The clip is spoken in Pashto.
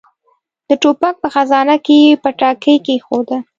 د ټوپک په خزانه کې يې پټاکۍ کېښوده.